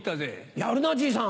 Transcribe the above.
やるなじいさん。